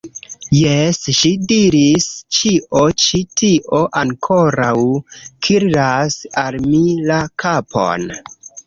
Jes, ŝi diris, ĉio ĉi tio ankoraŭ kirlas al mi la kapon.